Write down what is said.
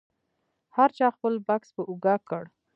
هر چا خپل بکس په اوږه کړ.